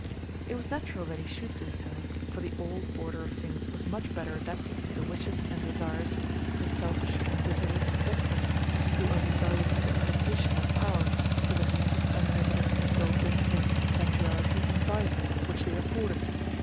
It was natural that he should do so, for the old order of things was much better adapted to the wishes and desires of a selfish and dissolute despot, who only valued his exaltation and power for the means of unlimited indulgence in sensuality and vice which they afforded.